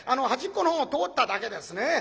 端っこの方通っただけですね。